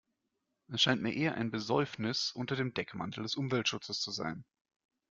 Es scheint mir eher ein Besäufnis unter dem Deckmantel des Umweltschutzes zu sein.